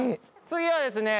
次はですね